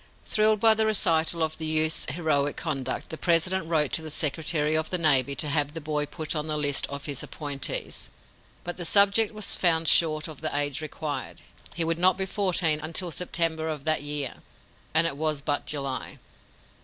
Thrilled by the recital of the youth's heroic conduct, the President wrote to the secretary of the navy to have the boy put on the list of his appointees. But the subject was found short of the age required. He would not be fourteen until September of that year, and it was but July.